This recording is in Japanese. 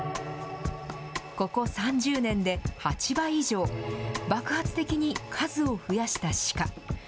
ここ３０年で８倍以上、爆発的に数を増やした鹿。